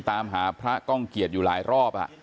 ตามหาพระก้องเกียจอยู่หลายรอบ